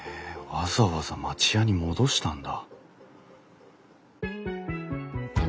わざわざ町家に戻したんだ。